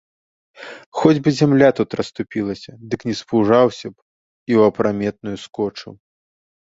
Хоць бы зямля тут расступілася, дык не спужаўся б і ў апраметную скочыў.